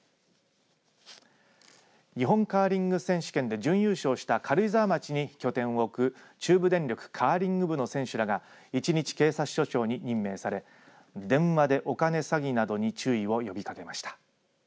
日本カーリング選手権で準優勝した軽井沢町に拠点を置く中部電力カーリング部の選手らが１日警察署長に任命され電話でお金詐欺などに注意を呼びかけました。